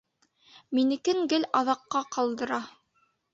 Минекен гел аҙаҡҡа ҡалдыра!